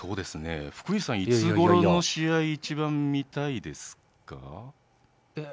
福西さんはいつごろの試合を一番見たいですか？